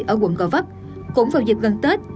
ở quận cò vấp cũng vào dịp gần tết